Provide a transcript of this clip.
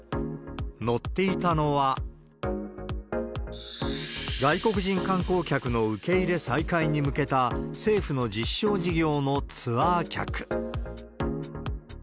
乗っていたのは、外国人観光客の受け入れ再開に向けた、政府の実証事業のツアー客。